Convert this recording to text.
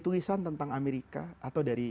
tulisan tentang amerika atau dari